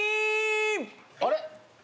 あれ？